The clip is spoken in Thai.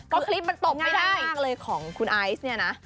ก็คลิปมันตบไม่ได้เลยของคุณไอซ์เนี่ยนะ